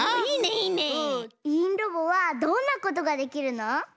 いいんロボはどんなことができるの？